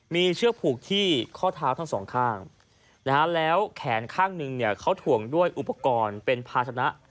มีเชือกผูกที่ข้อเท้าทั้งสองข้างแล้วแขนข้างหนึ่งเขาถ่วงด้วยอุปกรณ์เป็นภาชนะ